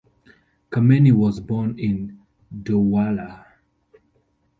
Kameni was born in Douala.